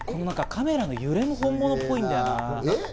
カメラのゆれも本物っぽいんだよな。